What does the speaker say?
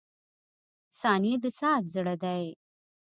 • ثانیې د ساعت زړه دی.